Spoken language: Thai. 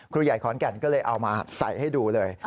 ครูใหญ่ขอนแก่นก็เลยเอามาใส่ให้ดูเลย